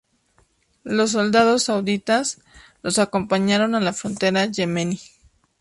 Los soldados sauditas los acompañaron a la frontera Yemení.